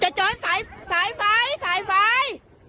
จะจนสายสายไฟสายไฟ